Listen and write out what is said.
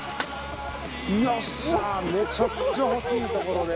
よっしゃめちゃくちゃ欲しいところで。